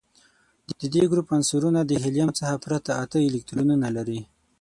د دې ګروپ عنصرونه د هیلیم څخه پرته اته الکترونونه لري.